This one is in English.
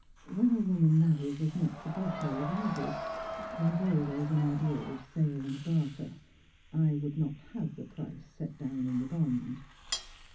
"When a woman marries as much above her as I did, there is always an idea of sale and barter. I would not have the price set down in the bond."